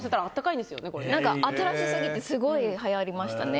新しすぎてすごいはやりましたね。